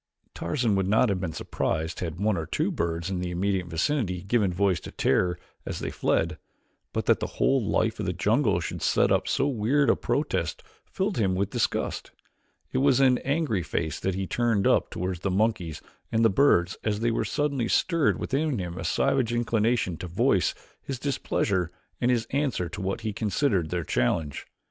Tarzan would not have been surprised had one or two birds in the immediate vicinity given voice to terror as they fled, but that the whole life of the jungle should set up so weird a protest filled him with disgust. It was an angry face that he turned up toward the monkeys and the birds as there suddenly stirred within him a savage inclination to voice his displeasure and his answer to what he considered their challenge.